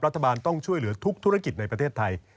รัฐบาลต้องช่วยเหลือทุกธุรกิจในประเทศไทย